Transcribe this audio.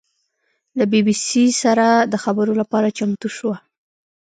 له بي بي سي سره د خبرو لپاره چمتو شوه.